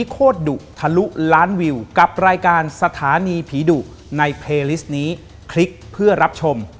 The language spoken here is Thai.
ขอบพระคุณนะครับ